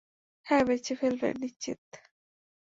হ্যাঁ, বেচে ফেলবে, নিশ্চিত।